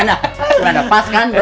tapi lah tadinya